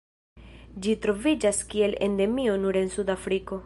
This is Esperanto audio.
Ĝi troviĝas kiel endemio nur en Sudafriko.